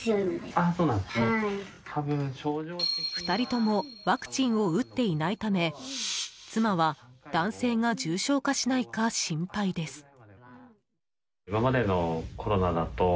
２人共ワクチンを打っていないため妻は男性が重症化しないか心配です。